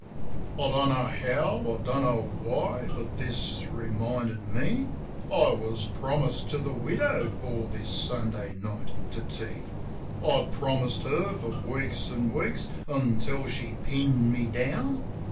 I don't know how, I don't know why, but this reminded me I was promised to the widow for this Sunday night to tea. I'd promised her for weeks an' weeks, until she pinned me down.